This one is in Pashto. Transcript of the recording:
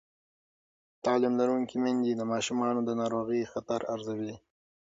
تعلیم لرونکې میندې د ماشومانو د ناروغۍ خطر ارزوي.